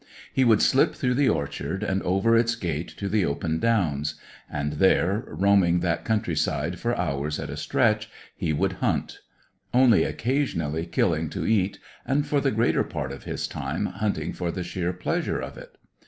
He would slip through the orchard, and over its gate to the open Downs; and there, roaming that country side for hours at a stretch, he would hunt; only occasionally killing to eat, and for the greater part of his time hunting for the sheer pleasure of it.